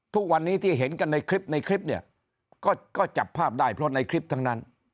ทุกวันนี้ที่เห็นกันในคลิปในคลิปเนี่ยก็จับภาพได้เพราะในคลิปทั้งนั้น